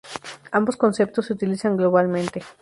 Ambos conceptos, se utilizan globalmente.